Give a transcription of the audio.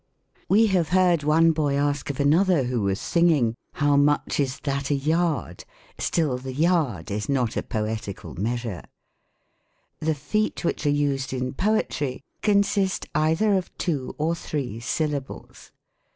We have heard one boy ask of another, who was singing, " How much is that a yard ?" still the yard is not a poetical measure. The feet which are used in poetry consist either of two or three syllables.